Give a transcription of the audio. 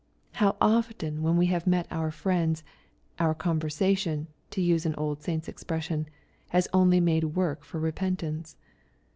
How often when we have met our friends, " our conversation," to use an old saint's expression, " has only made work for repentance."